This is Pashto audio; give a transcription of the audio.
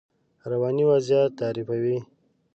رواني وضعیت تعریفوي.